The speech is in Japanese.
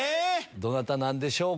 どなたなんでしょうか。